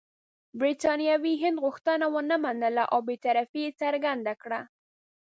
برټانوي هند غوښتنه ونه منله او بې طرفي یې څرګنده کړه.